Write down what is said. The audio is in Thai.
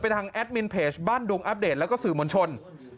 ทางแอดมินเพจบ้านดุงอัปเดตแล้วก็สื่อมวลชน